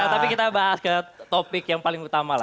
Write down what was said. tapi kita bahas ke topik yang paling utama lah